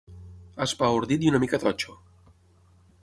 Espaordit i una mica totxo.